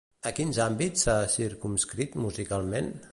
A quins àmbits s'ha circumscrit musicalment?